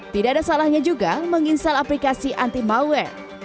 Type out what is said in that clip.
tidak ada salahnya juga menginstal aplikasi anti malware